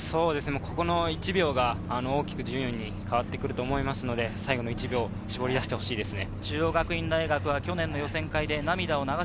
この１秒が順位に大きく変わってくると思いますので、最後の１秒を絞り出してほしいですね。